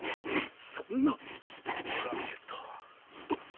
そんなトランペット。